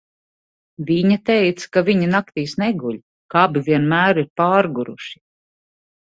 Viņa teica, ka viņi naktīs neguļ, ka abi vienmēr ir pārguruši.